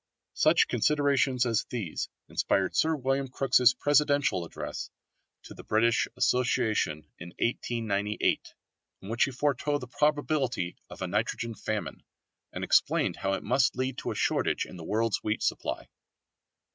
Such considerations as these inspired Sir William Crookes' Presidential address to the British Association in 1898, in which he foretold the probability of a nitrogen famine, and explained how it must lead to a shortage in the world's wheat supply.